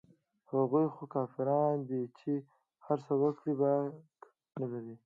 هغوى خو کافران دي چې هرڅه وکړي باک نه لري.